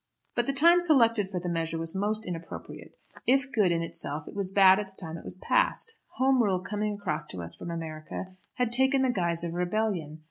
But the time selected for the measure was most inappropriate. If good in itself, it was bad at the time it was passed. Home Rule coming across to us from America had taken the guise of rebellion.